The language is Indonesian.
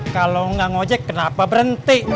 kalau gak ngecek kenapa berhenti